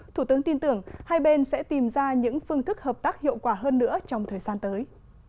thủ tướng tin tưởng hai bên sẽ tìm ra những phương thức hợp tác hiệu quả hơn nữa trong thời gian tới